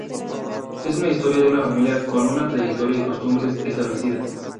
Es una historia de una familia con una trayectoria y costumbres establecidas.